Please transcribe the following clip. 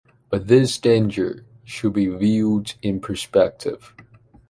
But this danger should be viewed in perspective.